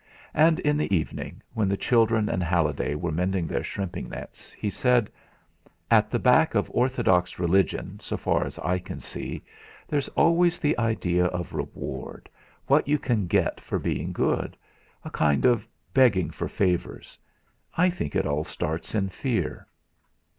And in the evening, when the children and Halliday were mending their shrimping nets, he said: "At the back of orthodox religion, so far as I can see, there's always the idea of reward what you can get for being good; a kind of begging for favours. I think it all starts in fear."